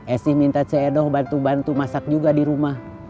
esi minta cedoh bantu bantu masak juga di rumah